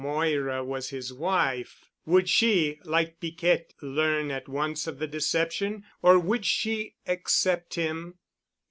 Moira was his wife. Would she, like Piquette, learn at once of the deception? Or would she accept him...?